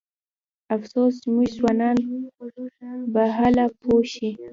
افسوس زموږ ځوانان به هله پوه شي.